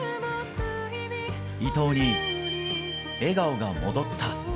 伊藤に笑顔が戻った。